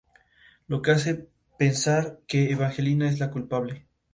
La enfermedad es bilateral y está presente desde el nacimiento, pero no es progresiva.